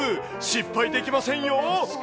失敗できませんよ。